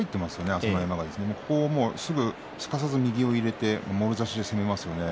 朝乃山のすかさず右を入れてもろ差しで攻めますよね。